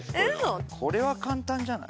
これは簡単じゃない？